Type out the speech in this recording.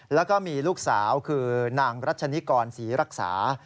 แล้วก็มีลูกสาวคือนางรัชนิกรศรีรักษา